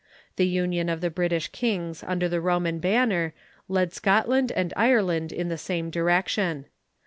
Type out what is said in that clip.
The union of the British kings under the Roman banner led Scotland and Ireland in the same direction.